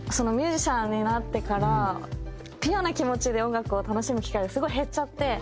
ミュージシャンになってからピュアな気持ちで音楽を楽しむ機会がすごい減っちゃって。